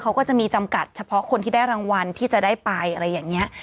เขาก็จะมีจำกัดเฉพาะคนที่ได้รางวัลที่จะได้ไปอะไรอย่างนี้